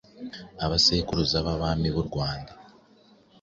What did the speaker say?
Amasekuruza y'Abami b'u Rwanda.